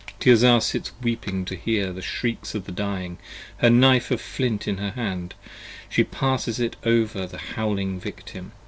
Tirzah sits weeping to hear the shrieks of the dying: her Knife 25 Of flint is in her hand: she passes it over the howling Victim.